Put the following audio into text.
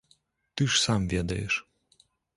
Ты ж сам ведаеш.